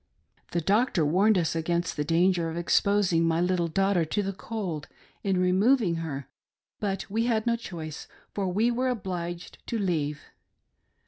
The doctor warned us against the danger of exposing my little daughter to the cold in removing her, but we had no choice, for we were obliged to leave.